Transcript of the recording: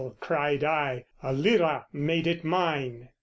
cried I: a lira made it mine.